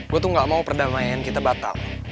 gue tuh gak mau perdamaian kita batal